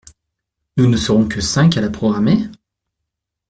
Nous ne serons que cinq à la programmer?